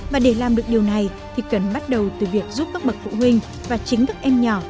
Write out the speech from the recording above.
và để làm được điều này thì cần bắt đầu từ việc giúp các bậc phụ huynh và chính các em nhỏ